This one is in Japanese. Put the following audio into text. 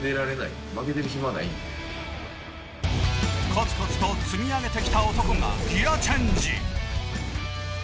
コツコツと積み上げてきた男がギアチェンジ。